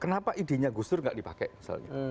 kenapa idenya gustur nggak dipakai